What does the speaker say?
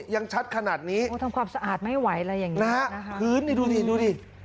ยังชัดขนาดนี้โอ้ทำความสะอาดไม่ไหวอะไรอย่างนี้นะฮะพื้นนี่ดูดิดูดิ